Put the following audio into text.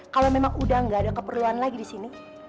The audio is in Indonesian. kalau memang udah nggak ada keperluan lagi di sini